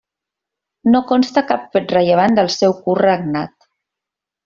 No consta cap fet rellevant del seu curt regnat.